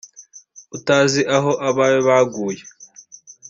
utazi aho abawe baguye